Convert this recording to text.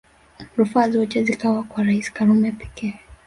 Rufaa zote zikawa kwa Rais Karume pekee